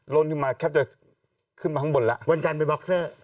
บนการเป็นบล็อกเซอร์